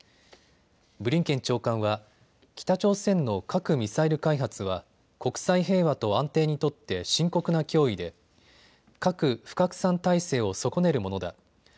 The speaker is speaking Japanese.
ブリンケン長官は、北朝鮮の核・ミサイル開発は国際平和と安定にとって深刻な脅威で核不拡散体制を損ねるものだ。